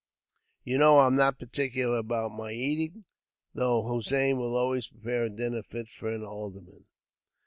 "You know I'm not particular about my eating, though Hossein will always prepare a dinner fit for an alderman."